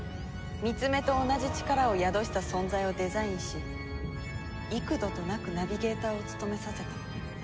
ミツメと同じ力を宿した存在をデザインし幾度となくナビゲーターを務めさせた。